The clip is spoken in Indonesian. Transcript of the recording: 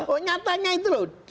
oh nyatanya itu loh